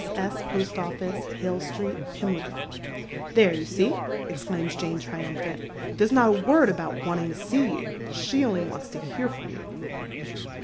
S., Post Office, Hale Street, Pimlico." " There, you see," exclaims Jane, triumphant. " There's not a word about wanting to see you. She only wants to hear from you."